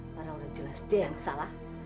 padahal udah jelas dia yang salah